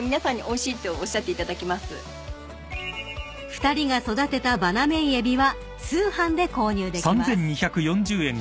［２人が育てたバナメイエビは通販で購入できます］